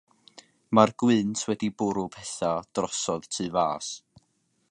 Ma'r gwynt wedi bwrw pethe drosodd tu fas.